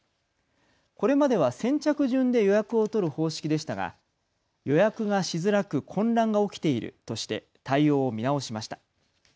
これまでは先着順で予約を取る方式でしたが予約がしづらく混乱が起きているとして対応を見直しました。